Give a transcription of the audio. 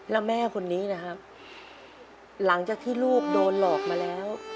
แล้วแม่คนนี้นะครับหลังจากที่ลูกโดนหลอกมาแล้ว